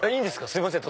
すいません